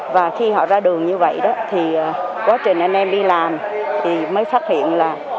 và khi họ ra đường như vậy đó thì quá trình anh em đi làm thì mới phát hiện là